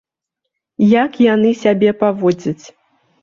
Як яны сябе паводзяць.